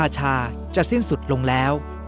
ชาจะสิ้นสุดลงแล้ว